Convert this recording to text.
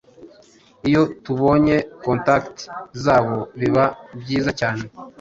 Iyo tubonye contact zabo biba byiza cyane